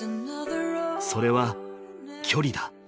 ［それは距離だ。